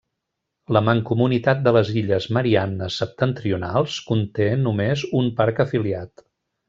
La mancomunitat de les Illes Mariannes Septentrionals conté només un parc afiliat.